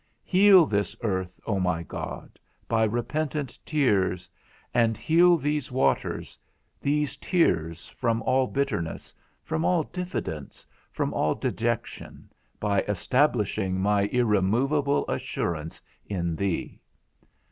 Heal this earth, O my God, by repentant tears, and heal these waters, these tears, from all bitterness, from all diffidence, from all dejection, by establishing my irremovable assurance in thee.